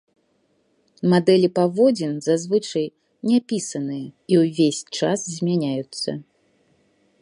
Мадэлі паводзін, зазвычай, няпісаныя і ўвесь час змяняюцца.